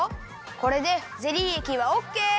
これでゼリーえきはオッケー！